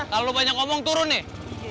kalau banyak ngomong turun nih